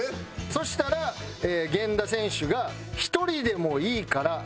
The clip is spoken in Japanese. そしたら源田選手が１人でもいいから会いたいと。